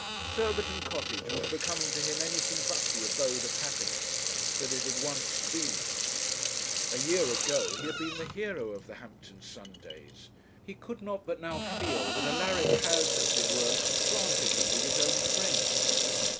Surbiton Cottage was becoming to him anything but the abode of happiness that it had once been. A year ago he had been the hero of the Hampton Sundays; he could not but now feel that Alaric had, as it were, supplanted him with his own friends.